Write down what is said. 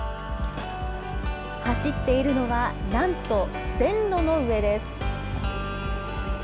走っているのは、なんと線路の上です。